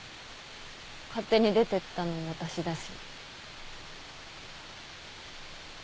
勝手に出てったの私だし。